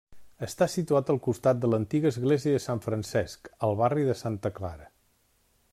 Està situat al costat de l'antiga església de Sant Francesc, al barri de Santa Clara.